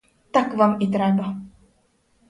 Так вам і треба!